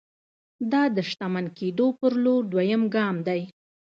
دا د شتمن کېدو پر لور دويم ګام دی.